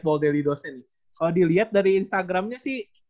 kalau diliat dari instagramnya sih